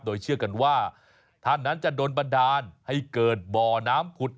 โดยเชื่อกันว่าท่านนั้นจะโดนบันดาลให้เกิดบ่อน้ำผุด